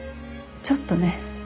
ちょっとね。